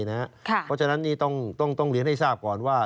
เพราะฉะนั้นนี่ต้องเรียนให้ทราบก่อนว่า